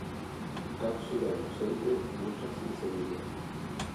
Cápsula, elipsoide, muchas sin semillas.